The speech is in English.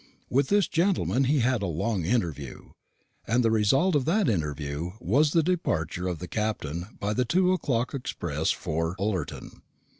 With this gentleman he had a long interview; and the result of that interview was the departure of the Captain by the two o'clock express for Ullerton.